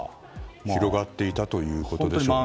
広がっていたということでしょうね。